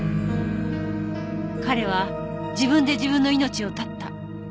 彼は自分で自分の命を絶った。